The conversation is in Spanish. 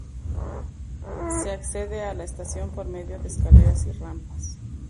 Se accede a la estación por medio de escaleras y rampas.